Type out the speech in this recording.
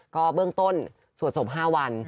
ก็เบื้องต้นสวดศพ๕วัน